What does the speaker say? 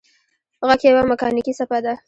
غږ یوه مکانیکي څپه ده.